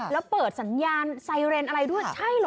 แล้วเปิดสัญญาณไซเรนอะไรด้วยใช่เหรอ